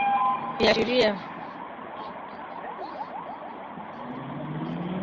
Viashiria vyote vinavyopatikana kwetu katika umoja wa Mataifa na umoja wa Afrika vinaonyesha kuwa